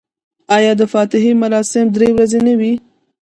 آیا د فاتحې مراسم درې ورځې نه وي؟